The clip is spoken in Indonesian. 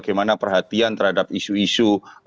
bagaimana perhatian terhadap isu isu yang ada di negara